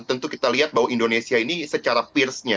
tentu kita lihat bahwa indonesia ini secara peersnya